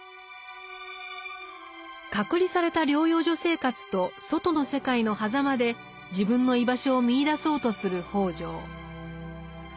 「隔離された療養所生活」と「外の世界」のはざまで自分の居場所を見いだそうとする北條。